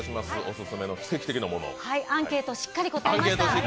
アンケート、しっかり答えました。